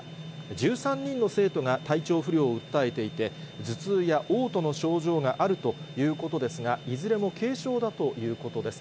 １３人の生徒が体調不良を訴えていて、頭痛やおう吐などの症状があるということですが、いずれも軽症だということです。